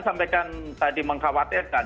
sampaikan tadi mengkhawatirkan